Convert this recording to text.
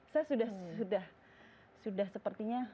saya sudah sepertinya